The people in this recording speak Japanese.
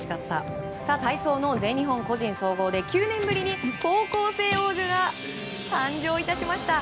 体操の全日本個人総合で９年ぶりに高校生王者が誕生致しました。